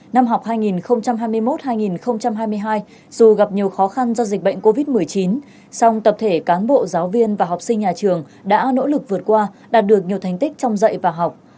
năm học hai nghìn hai mươi một hai nghìn hai mươi hai dù gặp nhiều khó khăn do dịch bệnh covid một mươi chín song tập thể cán bộ giáo viên và học sinh nhà trường đã nỗ lực vượt qua đạt được nhiều thành tích trong dạy và học